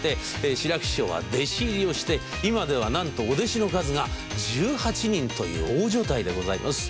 志らく師匠は弟子入りをして今ではなんとお弟子の数が１８人という大所帯でございます。